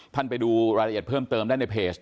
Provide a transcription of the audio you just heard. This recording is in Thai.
ไปดูรายละเอียดเพิ่มเติมได้ในเพจ